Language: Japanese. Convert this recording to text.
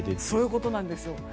そういうことなんです。